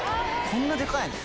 こんなでかいの？